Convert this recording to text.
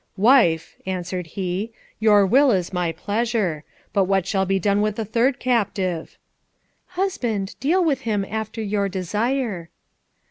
"Wife," answered he, "your will is my pleasure. But what shall be done with the third captive?" "Husband, deal with him after your desire."